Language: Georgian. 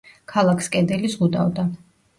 ქალაქს კედელი ზღუდავდა.